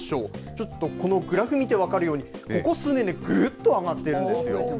ちょっとこのグラフ見て分かるように、ここ数年でぐっと上がっているんですよ。